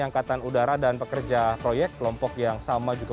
angkatan udara dan pekerja proyek kelompok yang sama juga